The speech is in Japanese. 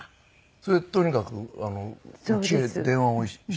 それでとにかくうちへ電話をして来てもらって。